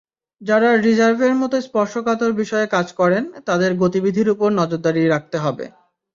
যাঁরা রিজার্ভের মতো স্পর্শকাতর বিষয়ে কাজ করেন, তাঁদের গতিবিধির ওপর নজরদারি রাখতে হবে।